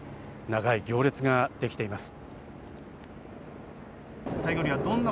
長い行列ができています。